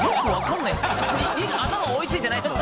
頭追いついてないです